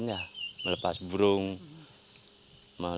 pembangunan berkompensasi berupa hewan ternak